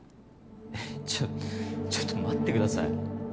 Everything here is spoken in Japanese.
えっちょちょっと待ってください